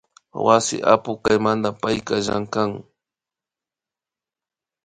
Wasi apuk kaymanta payka llankan